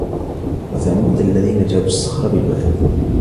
وَثَمُودَ الَّذِينَ جَابُوا الصَّخْرَ بِالْوَادِ